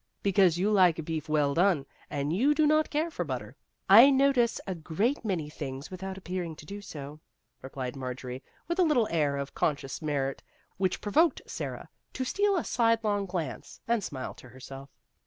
" Because you like beef well done, and you do not care for butter. I notice a great many things without appearing to do so," replied Marjorie, with a little air of conscious merit which provoked Sara to steal a sidelong glance and smile to herself.